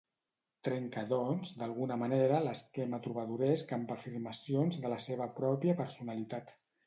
Trenca, doncs, d'alguna manera, l'esquema trobadoresc amb afirmacions de la seva pròpia personalitat.